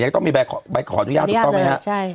ยังต้องมีบัยขออนุญาตมัณหา